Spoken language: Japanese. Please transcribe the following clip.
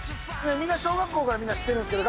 みんな小学校から知ってるんですけど。